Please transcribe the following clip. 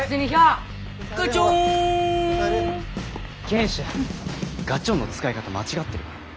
賢秀ガチョンの使い方間違ってる。